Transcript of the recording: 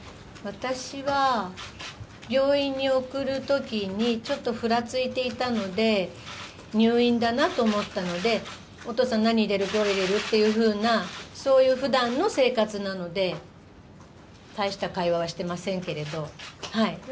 私は病院に送るときに、ちょっとふらついていたので、入院だなと思ったので、お父さん、何入れる、どれ入れるっていうような、そういうふだんの生活なので、大した会話はしてませんけど。